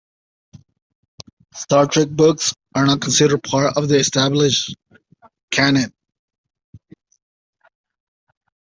Star Trek books are not considered part of the established canon.